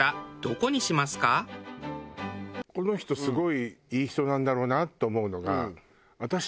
この人すごいいい人なんだろうなって思うのが。